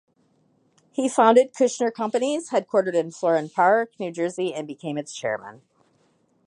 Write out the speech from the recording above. He founded Kushner Companies-headquartered in Florham Park, New Jersey-and became its chairman.